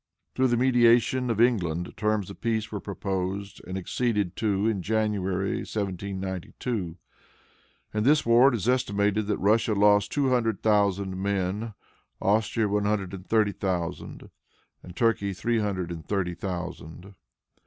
Through the mediation of England terms of peace were proposed, and acceded to in January, 1792. In this war it is estimated that Russia lost two hundred thousand men, Austria one hundred and thirty thousand, and Turkey three hundred and thirty thousand.